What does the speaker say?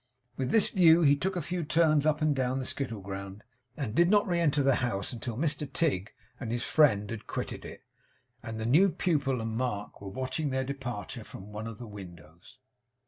With this view he took a few turns up and down the skittle ground, and did not re enter the house until Mr Tigg and his friend had quitted it, and the new pupil and Mark were watching their departure from one of the windows.